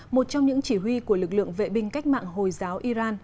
một trong những chỉ huy của lực lượng vệ binh cách mạng hồi giáo iran